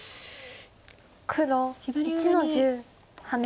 黒１の十ハネ。